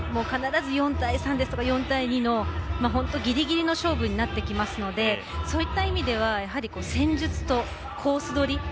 必ず４対３ですとか４対２の本当にギリギリの勝負になってきますのでそういった意味では戦術とコースどり。